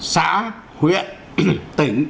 xã huyện tỉnh